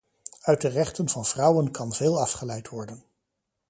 Uit de rechten van vrouwen kan veel afgeleid worden.